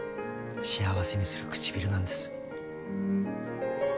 幸せにするくちびるなんです。